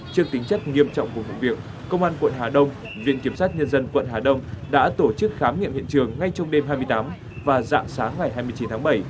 trước tính chất nghiêm trọng của vụ việc công an quận hà đông viện kiểm sát nhân dân quận hà đông đã tổ chức khám nghiệm hiện trường ngay trong đêm hai mươi tám và dạng sáng ngày hai mươi chín tháng bảy